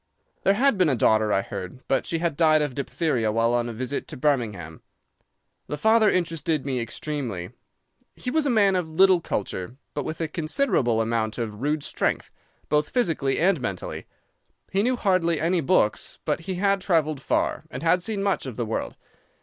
"There had been a daughter, I heard, but she had died of diphtheria while on a visit to Birmingham. The father interested me extremely. He was a man of little culture, but with a considerable amount of rude strength, both physically and mentally. He knew hardly any books, but he had travelled far, had seen much of the world.